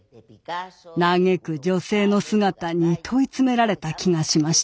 嘆く女性の姿に問い詰められた気がしました。